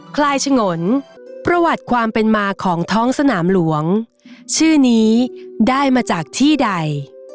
คลายฉงนประวัติความเป็นมาของท้องสนามหลวงชื่อนี้ได้มาจากที่ใด